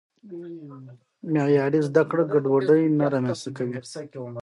معیاري زده کړه ګډوډي نه رامنځته کوي.